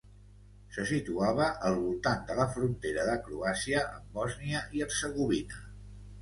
Se situava al voltant de la frontera de Croàcia amb Bòsnia i Hercegovina.